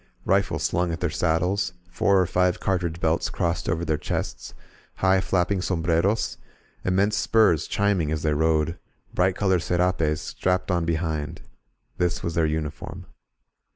Rifles slung at their saddles, four or five cartridge belts crossed over their chests, high, flap ping sombreros, immense spurs chiming as they rode, bright colored serapes strapped on behind — ^this was their uniform.